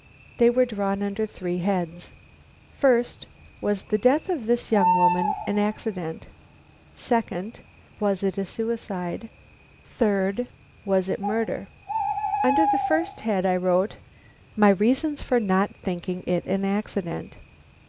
They were drawn up under three heads. First, was the death of this young woman an accident? Second, was it a suicide? Third, was it a murder? Under the first head I wrote: _My reasons for not thinking it an accident.